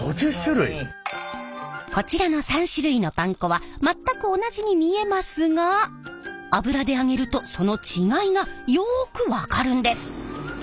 こちらの３種類のパン粉は全く同じに見えますが油で揚げるとその違いがよく分かるんです。